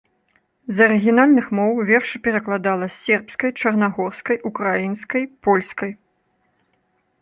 З арыгінальных моў вершы перакладала з сербскай, чарнагорскай, украінскай, польскай.